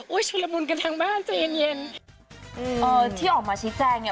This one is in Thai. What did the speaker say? อุ้ยชุดละมุนกันทางบ้านเจนเย็นเอ่อที่ออกมาชี้แจงเนี่ย